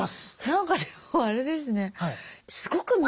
なんかでもあれですね。